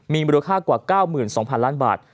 มีมูลค่ากว่า๙๒๐๐๐ล้านบาท